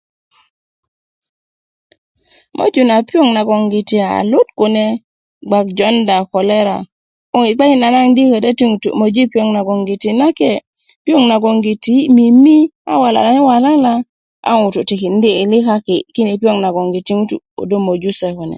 moju na pioŋ nagogiti a lut kune bgak jounda kolera i kpekinda ti ŋutu moji piöŋ nagongiti nake piöŋ nagon yi mimia walalane walala a ŋutu tikindi i likaki kine piöŋ nagongiti ŋutu kodo möju se